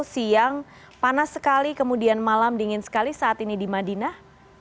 siang panas sekali kemudian malam dingin sekali saat ini di madinah